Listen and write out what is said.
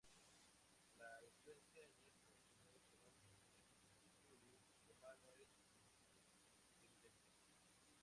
La influencia en estos primeros trabajos de Giulio Romano es evidente.